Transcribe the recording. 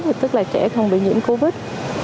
thì tức là trẻ không bị nhiễm covid